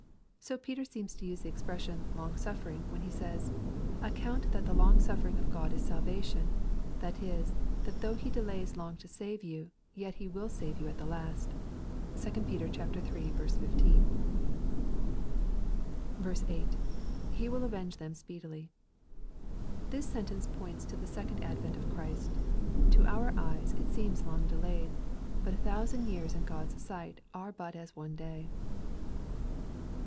Bo^Peter seems to use tlie expression, * long suffermg/ when he says, 'account that the long suffering of G od is salvation,' that is, that though He de lays long to save you, yet He will save you at the last." (2 Pet iii. 15.) ?.— [He vnU avenge them speedtly.] This sentence points to the second advent of Christ. To our eyes it seems long delayed. But a tliou sand years in God's sight are but as one day.